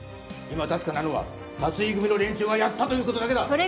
今確かなのは辰井組の連中がやったということだけだ